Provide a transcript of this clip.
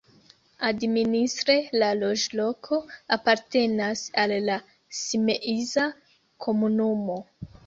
Administre la loĝloko apartenas al la Simeiza komunumo.